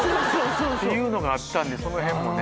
っていうのがあったんでその辺もね。